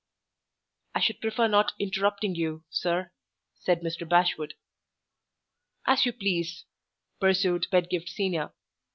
"I should prefer not interrupting you, sir," said Mr. Bashwood. "As you please," pursued Pedgift Senior.